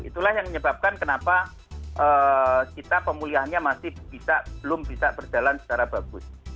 itulah yang menyebabkan kenapa kita pemulihannya masih belum bisa berjalan secara bagus